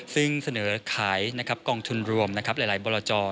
ซึ่งเสนอขายกองทุนรวมหลายบรจอ